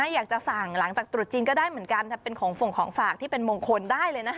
อยากจะสั่งหลังจากตรุษจีนก็ได้เหมือนกันถ้าเป็นของส่งของฝากที่เป็นมงคลได้เลยนะคะ